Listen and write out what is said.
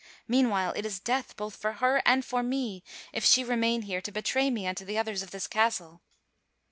Meanwhile it is death both for her and for me if she remain here to betray me unto the others of this castle."